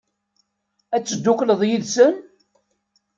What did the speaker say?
Ad teddukleḍ yid-sen?